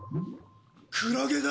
クラゲだ！